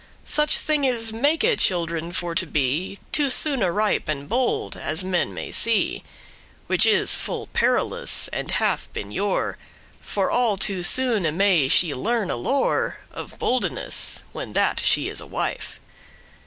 Such thinges make children for to be Too soone ripe and bold, as men may see, Which is full perilous, and hath been yore;* *of old For all too soone may she learne lore Of boldeness, when that she is a wife.